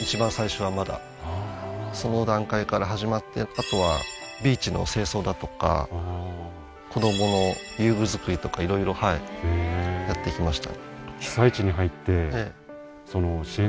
あとはビーチの清掃だとか子どもの遊具造りとかいろいろやってきました